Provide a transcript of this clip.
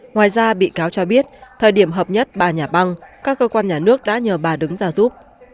ngoài ra bị cáo cho biết thời điểm hợp nhất ba nhà băng các cơ quan nhà nước đã nhờ bà đứng ra giúp